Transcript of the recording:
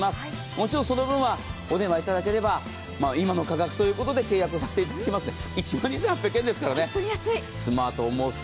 もちろんその分はお電話いただければ今の価格ということで契約させていただきますので。